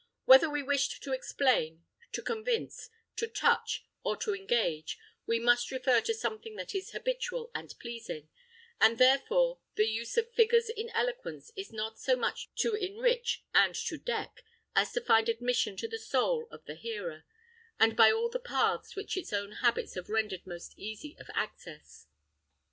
Whether we wish to explain, to convince, to touch, or to engage, we must refer to something that is habitual and pleasing; and, therefore, the use of figures in eloquence is not so much to enrich and to deck, as to find admission to the soul of the hearer, by all the paths which its own habits have rendered most easy of access.